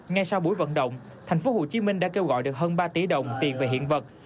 ngay sau buổi vận động thành phố hồ chí minh đã kêu gọi được hơn ba tỷ đồng tiền về hiện vật